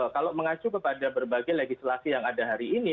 kalau mengacu kepada berbagai legislasi yang ada hari ini